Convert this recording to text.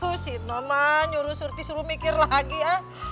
aduh si noman nyuruh surti suruh mikir lagi ya